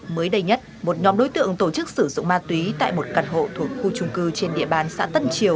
mới đây nhất một nhóm đối tượng tổ chức sử dụng ma túy tại một căn hộ thuộc khu trung cư trên địa bàn xã tân triều